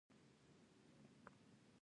بلکې په روس کښې دننه د فلم د موضوع،